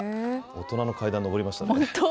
大人の階段上りましたね。